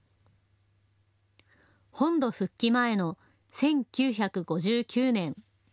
本土復帰前の１９５９年。